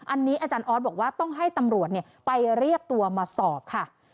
อันนี้อาจารย์ออสบอกว่าต้องให้ตำรวจไปเรียกตัวมาสอบค่ะ